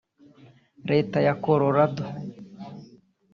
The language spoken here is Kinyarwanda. Leta ya Colorado